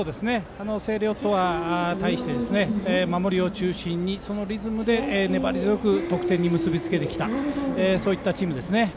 星稜に対して守りを中心にそのリズムで粘り強く得点に結び付けてきたそういったチームですね。